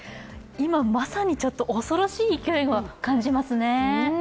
今、まさに恐ろしい勢いを感じますね。